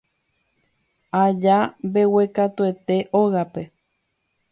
aja mbeguekatuete ógape